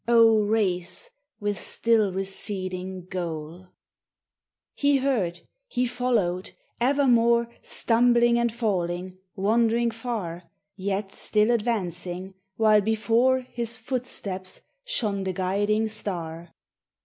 O race, with still receding goal ! He heard ; he followed, evermore Stumbling and falling, wandering far, Yet still advancing, while before His footsteps shone the guiding star.